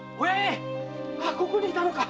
ここにいたのか！